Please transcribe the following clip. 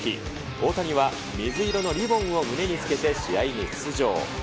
大谷は水色のリボンを胸につけて試合に出場。